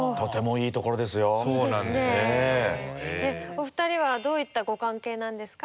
お二人はどういったご関係なんですか？